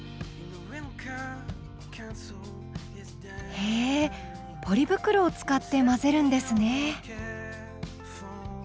へえポリ袋を使って混ぜるんですね。